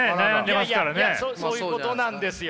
いやいやそういうことなんですよ。